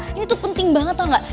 ini tuh penting banget tau gak